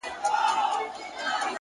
خپل وخت له موخې سره وتړئ!